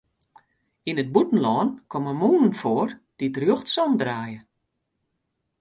Yn it bûtenlân komme mûnen foar dy't rjochtsom draaie.